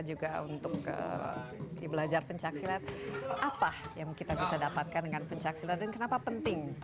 juga untuk belajar pencaksilat apa yang kita bisa dapatkan dengan pencaksilat dan kenapa penting